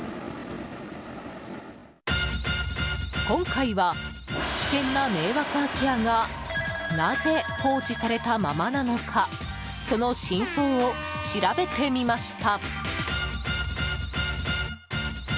今回は、危険な迷惑空き家がなぜ放置されたままなのかその真相を調べてみました。